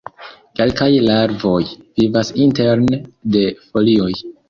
Kelkaj larvoj vivas interne de folioj.